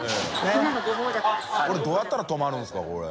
海どうやったら止まるんですかこれ。